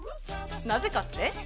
なぜかって？